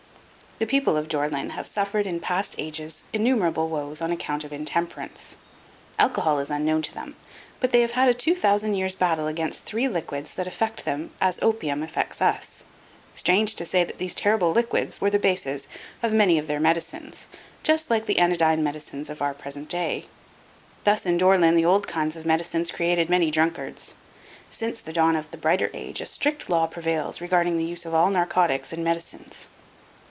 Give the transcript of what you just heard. The people of Dore lyn have suffered in past ages innumerable woes on account of intemperance. Alcohol is unknown to them, but they have had a two thousand year's battle against three liquids that affect them as opium affects us. Strange to say that these terrible liquids were the bases of many of their medicines just like the anodyne medicines of our present day. Thus in Dore lyn the old kinds of medicines created many drunkards. Since the dawn of the brighter age, a strict law prevails regarding the use of all narcotics in medicines.